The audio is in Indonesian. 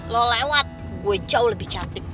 lo lewat gue jauh lebih cantik